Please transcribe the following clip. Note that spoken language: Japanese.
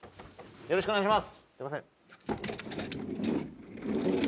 よろしくお願いします。